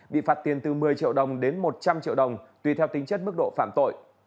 bị phạt tiền từ một mươi triệu đồng đến một trăm linh triệu đồng tùy theo tính chất mức độ phạm tội